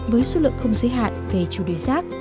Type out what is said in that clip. với số lượng không giới hạn về chủ đề rác